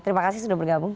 terima kasih sudah bergabung